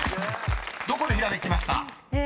［どこでひらめきました？］